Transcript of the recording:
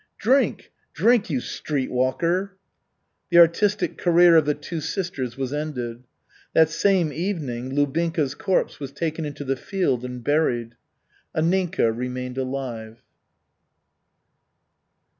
"Drink, drink you street walker!" The artistic career of the two sisters was ended. That same evening Lubinka's corpse was taken into the field and buried. Anninka remained alive.